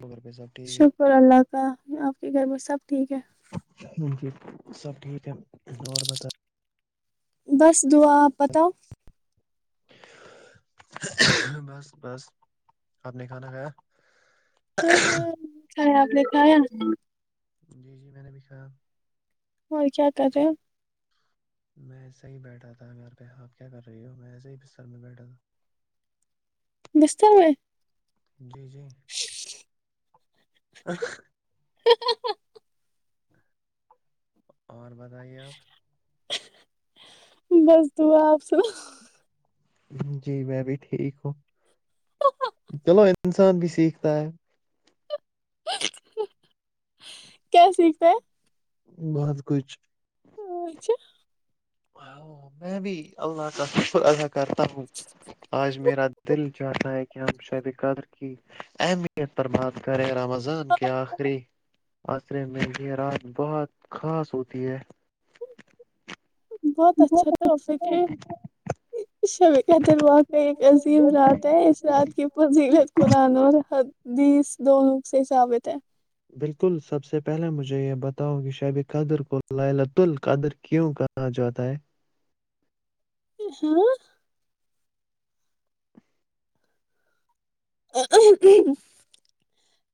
گھر پہ سب ٹھیک ہے شکر اللہ کا آپ کے گھر میں سب ٹھیک ہے ج جی سب ٹھیک ہے اور بتا بس دعا آپ بتاؤ بس بس آپ نے کھانا کھایا ہاں ہاں آ کا جی جی میں نے بھیکھا ہو کیا کر رہے میں ایسے ہی بیٹھا تھا گھر پہ ہاب کیا کر رہی ہو میں ایسے ہی بستر میں بیٹھا تھا [unintelligible] بیسر میں میں [unintelligible] جی جی [unintelligible] [inaudible] اور بتائیے آپ بس دعا آپ سنا جی میں بھی ٹھیک ہوں چلو انسان بھی سیکھتا ہے کیا سیکھتا بہت کچھ ا اچھ میں بھی اللہ کا شکر ادا کرتا ہوں آج میرا دل چاہتا ہے کہ ہم شیب قدر کی اہمیت پر بات کریں رمضان کے آخری آصرے میں یہ رات بہت خاص ہوتی ہے بہت اچھا تھا ف شب کا دروا کاہ ایک عظیم رات ہے اس رات کی پضییرت قرآن و ح بیس دونک سے ہی ثابت ہے بالکل سب سے پہلے مجھے یہ بتاؤ کہ شب قدر کو لالۃ القادر کیوں کہا جاتا ہے ہاں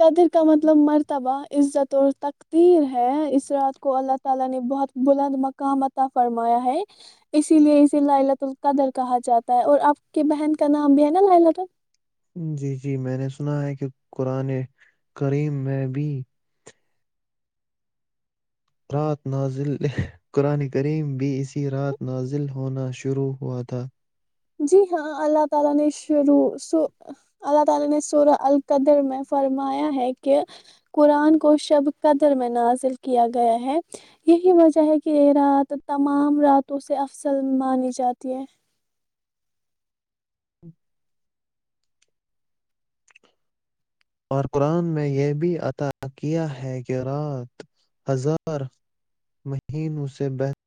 قدر کا مطلب مرتبہ عزت ال تقتییر ہے اس رات کو اللہ تعالی نے بہت بلند مقام متا فرمایا ہے اسی لیے اسے لاللۃ القدر کہا جاتا ہے اور آپ کی بہن کا نام بھی ہے نا لاللت ال جی جی میں نے سنا ہے کہ قرآن کریم میں بھی رات نازل قرآن کریم بھی اسی رات نازل ہونا شروع ہوا تھا [inaudible] کارکرآن نے یہ بھی عطا کیا ہے کہ رات ہزار مہینوں سے بہتر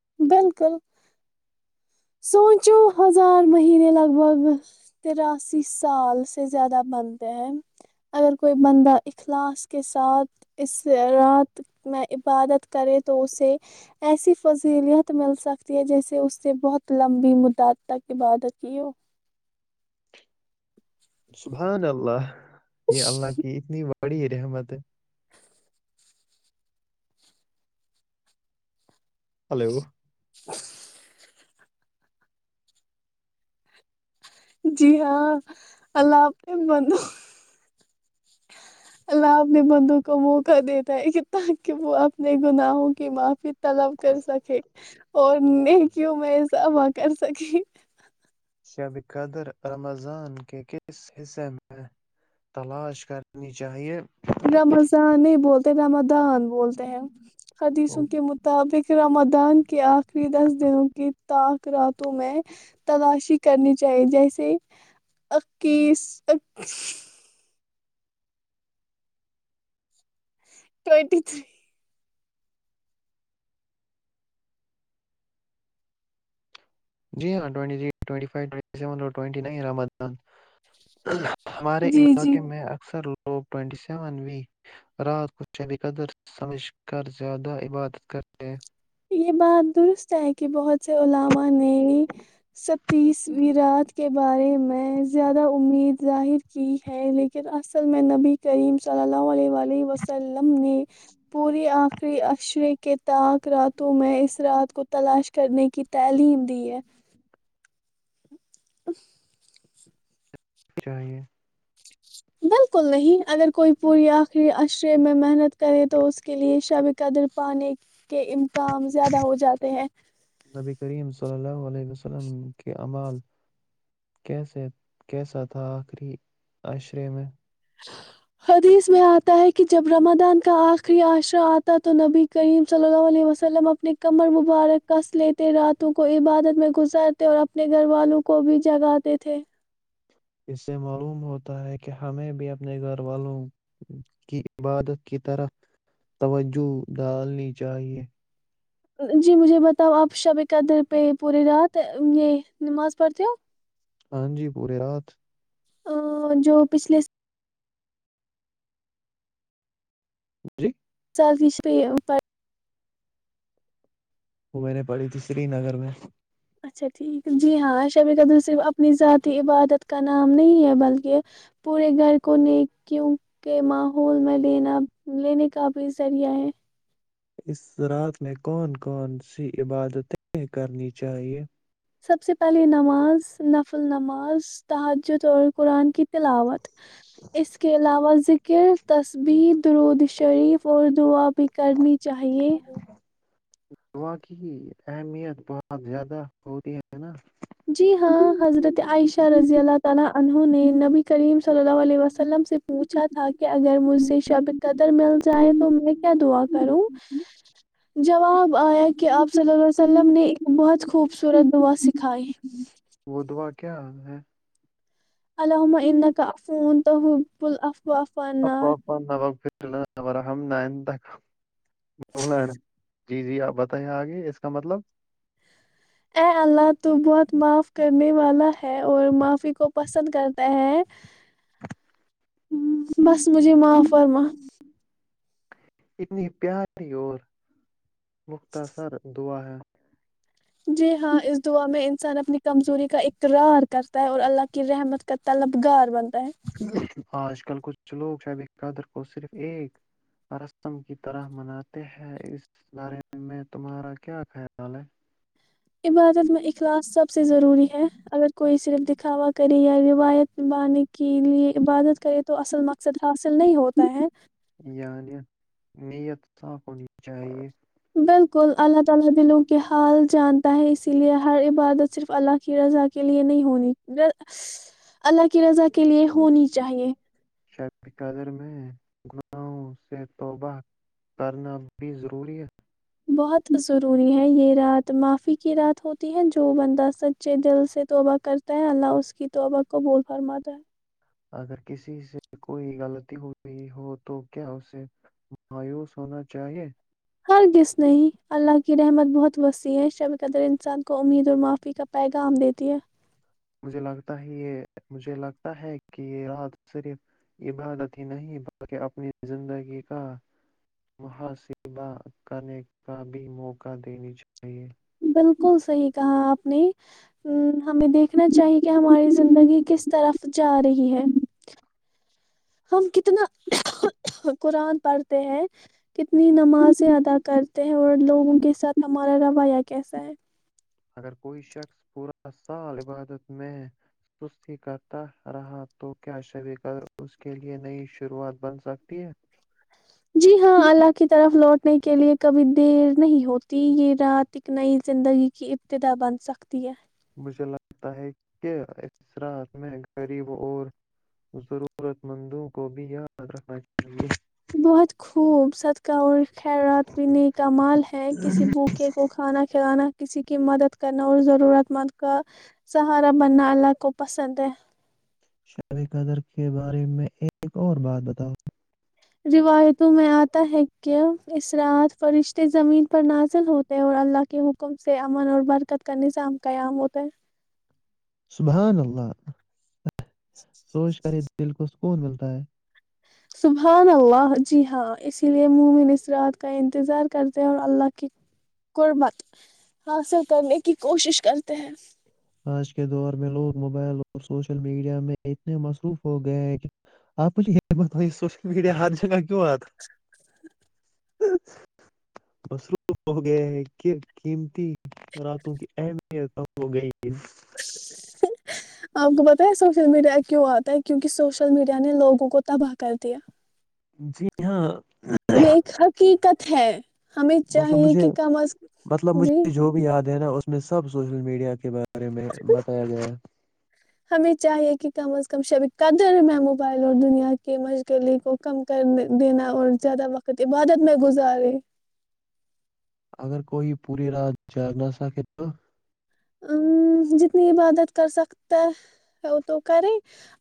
[unintelligible] [unintelligible] [unintelligible] [unintelligible] [unintelligible] [unintelligible] [inaudible] [unintelligible] [unintelligible] [unintelligible] [unintelligible] [unintelligible] [unintelligible] [unintelligible] [unintelligible] [unintelligible] [unintelligible] [unintelligible] جی جی [unintelligible] [unintelligible] [unintelligible] [unintelligible] [unintelligible] [unintelligible] [unintelligible] [inaudible] [inaudible] [unintelligible] [unintelligible] [unintelligible] [unintelligible] [unintelligible] [unintelligible] [inaudible] [inaudible] [inaudible] [unintelligible] [unintelligible] [unintelligible] [unintelligible] [unintelligible] کر تصبیح درود شریف اور دعاب بھی کرنی چاہیے دوا کی اہمیت بہت زیادہ ہوتی ہے نا جی ہاں حضرت عائشہ رضی اللہ تعالی عنہ نے نبی کریم صلی اللہ علیہ وسلم سے پوچھا تھا کہ اگر مجھ سے شب قدر مل جائے تو میں کیا دعا کروں جواب آیا کہ آپ صلی اللہ ولم نے ایک بہت خوبصورت دعا کھائے وہ دعا کیا حال ہے الحمنہ کا فون توحب الف وافانار نارحم نائن تک ب لین جی جی آپ بتائے آگے اس کا مطلب ا اللہ تو بہت معاف کر نے والا ہے اور معافی کو پسند کرتا ہے ہ بس مجھے معاف فرم اتنی پیاری اور مختصر دعا ہے جی ہاں اس دعا میں انسان اپنی کمزوری کا اقرار کرتا ہے اور اللہ کی رحمت کا طلب گار بنتا ہے ہاں آج کل کچھ لوگ شب قادر کو صرف ایک رسم کی طرح مناتے ہیں اس بارے میں تمہارا کیا خیال ہے عبادت میں اخلاص سب سے ضروری ہے اگر کوئی صرف دکھاوا کرے یا روایت نبانے کے لیے عبادت کرے تو اصل مقصد حاصل نہیں ہوتا ہے یعنی نیت صاف ہونی چاہیے بالکل اللہ تعالی دلوں کے حال جانتا ہے اسی لیے ہر عبادت صرف کی رضا کے لیے نہیں ہونی اللہ کی رضا کے لیے ہونی چاہیے قدر میں گناہوں سے توبہ کرنا بھی ضروری ہے بہت ضروری ہے یہ رات معافی کی کی رات ہوتی ہے جو بندہ سچے دل سے توبہ کرتا ہے اللہ اس کی توبہ کو بول فرماتا ہے اگر کسی سے کوئی غلطی ہو رہئی ہو تو کیا اسے مایوس ہونا چاہیے ہرگز نہیں اللہ کی رحمت بہت وسیع ہے شب قدر انسان کو امید اور معافی کا پیغام دیتی ہے مجھے لگتا ہے یہ مجھے لگتا ہے کہ یہ رات صرف عبادت ہی نہیں بلکہ اپنی زندگی کا محاصبہ کرنے کا بھی موقع دینی چاہیے بالکل صحیح کہا آپ نے ہمیں دیکھنا چاہی کہ ہماری زندگی کس طرف جا رہی ہے ہم کتنا قرآن پڑھتے ہیں کتنی نمازیں ادا کرتے ہیں اور لوگوں کے ساتھ ہمارا رویہ کیسا ہے اگر کوئی شخص پورا سال عبادت میں سستی کرتا رہا تو کیا شب کد اس کے لئے نئی شروعات بن سکتی ہے جی ہاں اللہ کی طرف لوٹنے کے لیے کبھی دیر نہیں ہوتی یہ رات ایک نئی زندگی کی ابتدا بن سکتی ہے مجھے لگتا ہے کہ اس رات میں غریب اور ضرورت مندوں کو بھی یاد رکھنا چاہیے بہت خوب صدقہ اور خیرات بھی ن کا مال ہے کسی بھوکے کو کھانا کھلانا کسی کی مدد کرنا اور ضرورت مند کا سہارا بننا اللہ کو پسند ہے شاب قدر کے بارے میں ایک اور بات بتاؤ روایتوں میں آتا ہے کہ ارات فرشتے زمین پر نازل ہوتے ہیں اور اللہ کے حکم سے امن اور برکت کا نظام قیام ہوتا ہے سبحان اللہ سوچ کر ہی دل کو س کون ملتا ہے سبح اللہ جی ہاں اسی لیے مومن اس رات کا انتظار کرتے ہیں اور اللہ کی قربت حاصل کرنے کی کوشش کرتے ہیں آج کے دور میں لوگ موبائل اور سوشل میڈیا میں اتنے مصروف ہو گئے ہیں کہ آپ مجھے یہ بت سوشل میڈیا ہر جگہ کیوں آتا [unintelligible] [unintelligible] [unintelligible] جی ہاں یہ حقیقت ہے مطلب مجھے مطلب مجھے [unintelligible] جو بھی یاد ہے نا اس میں سب سوشل میڈیا کے بارے بارے میں بتایا گیا ہمیں چاہیے کہ کم از کم شبھی قدر میںموبائ اور دنیا کی مشغلی کو کم کر دینا اور زیادہ وقت عبادت میں گزارے اگر کوئی پوری رات جگنا سکے تو جتنی عبادت کر سکتا ہے وہ تو کریں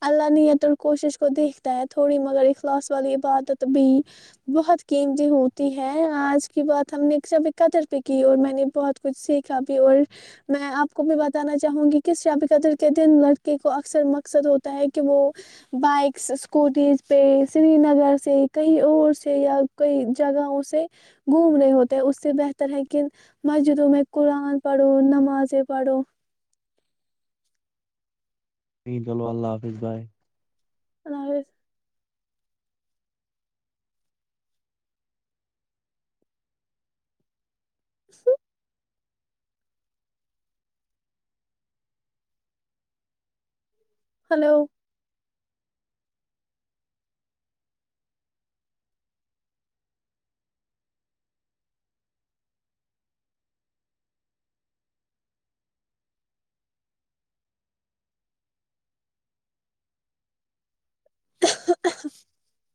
اللہ نیت اور کوشش کو دیکھتا ہے تھوڑی مگر اخلاص والی عبادت بھی بہت قیمتی ہوتی ہے آج کی بات ہم نے سبھی قدر پہ کی اور میں نے بہت کچھ سیکھا بھی اور میں آپ کو بھی بتانا چاہوں گی کس شب قدر کے دن لڑکے کو اکثر مقصد ہوتا ہے کہ وہ بائکس اسکوٹیز پہ سری نگر سے کہیں اور سے یا کئی جگہوں سے گھوم رہے ہوتے اس سے بہتر ہے کہ مسجدوں میں قرآن پڑھو آازے پڑو نہیں چلو اللہ حافظ بائے الظ [inaudible] ہلو [inaudible]